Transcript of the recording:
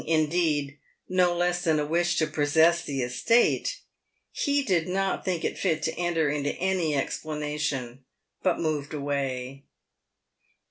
indeed, no less than a wish to possess the estate), he did not think fit to enter into any explanation, but moved away.